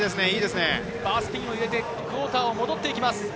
バースピンを入れて、クォーターを戻っていきます。